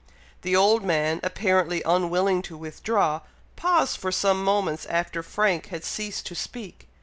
The old man, apparently unwilling to withdraw, paused for some moments after Frank had ceased to speak.